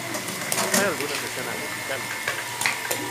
Hay algunas escenas musicales.